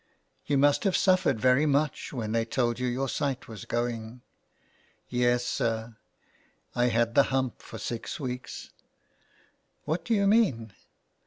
'' You must have suffered very much when they told you your sight was going ?"" Yes, sir. I had the hump for six weeks." '' What do you mean